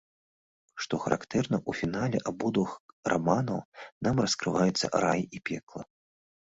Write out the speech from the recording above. Што характэрна, у фінале абодвух раманаў нам раскрываюцца рай і пекла.